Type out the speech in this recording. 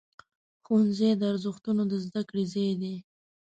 ښوونځی د ارزښتونو د زده کړې ځای دی.